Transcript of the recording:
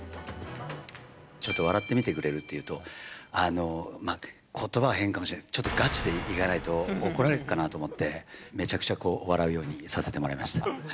ちょっと笑ってみてくれるというと、ことばは変かもしれないけど、ちょっとがちでいかないと怒られるかなと思って、めちゃくちゃ笑うようにさせてもらいました。